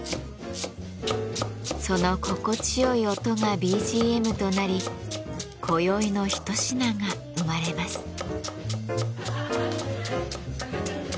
その心地よい音がＢＧＭとなりこよいのひと品が生まれます。